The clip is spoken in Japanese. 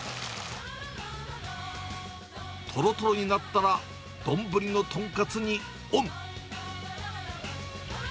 とろとろになったら、丼の豚カツにオン。